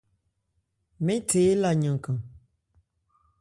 Mɛn the éla yankan.